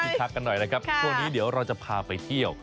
ทักกันหน่อยนะครับช่วงนี้เดี๋ยวเราจะพาไปเที่ยว